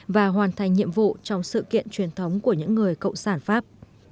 và hoàn thành nhiệm vụ trong sự kiện truyền thống của những người cộng sản pháp